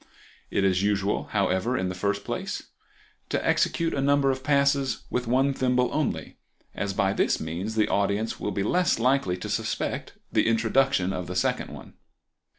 It is usual, however, in the first place, to execute a number of passes with one thimble only, as by this means the audience will be the less likely to suspect the introduction of the second one.